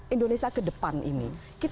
indonesia kedepan ini